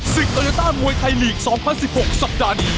สิกตอยต้ามวยไทยลีกสองพันสิบหกสัปดาห์นี้